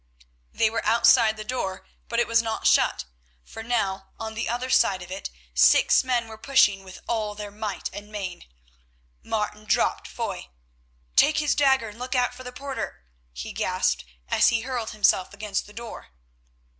They were outside the door, but it was not shut, for now, on the other side of it six men were pushing with all their might and main. Martin dropped Foy. "Take his dagger and look out for the porter," he gasped as he hurled himself against the door.